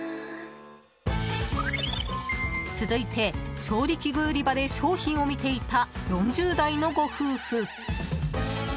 続いて、調理器具売り場で商品を見ていた４０代のご夫婦。